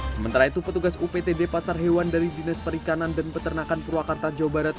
sementara itu petugas uptd pasar hewan dari dinas perikanan dan peternakan purwakarta jawa barat